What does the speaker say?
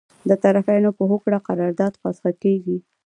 د طرفینو په هوکړه قرارداد فسخه کیږي.